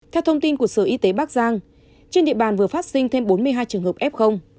theo thông tin của sở y tế bắc giang trên địa bàn vừa phát sinh thêm bốn mươi hai trường hợp f